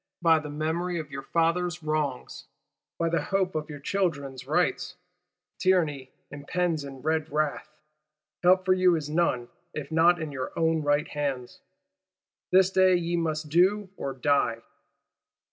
By the memory of your fathers' wrongs, by the hope of your children's rights! Tyranny impends in red wrath: help for you is none if not in your own right hands. This day ye must do or die.